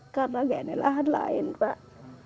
karena ini lahan lain pak